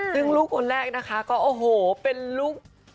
ซึ่งลูกคนแรกนะคะก็โอ้โหเป็นลูก